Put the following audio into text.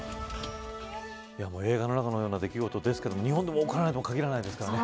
映画の中のような出来事ですが日本でも起こらないと言い切れないですからね。